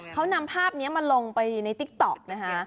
เขานำภาพนี้มาลงไปในติ๊กต๊อกนะคะ